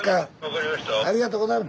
ありがとうございます。